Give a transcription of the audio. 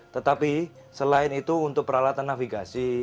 tetapi selain itu untuk peralatan navigasi